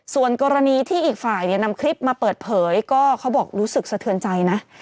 ส่วนกรณีที่อีกฝ่ายเนี่ยนำคลิปมาเปิดเผยก็เขาบอกรู้สึกสะเทือนใจนะ